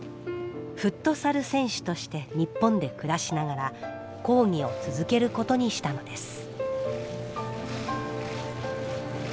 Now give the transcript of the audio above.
フットサル選手として日本で暮らしながら抗議を続けることにしたのです。